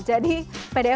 jadi pdf pdf itu juga